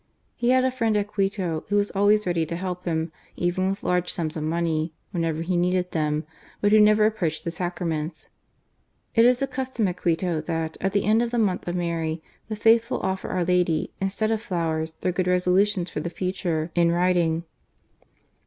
He had a friend at Quito, who was always ready to help him, even with large sums of money, whenever he needed them, but who never approached the Sacraments. It is the custom at Quito that, at the end of the Month of Mary, the faithful offer our Lady, instead of flowers, their good resolutions for the future, in writing.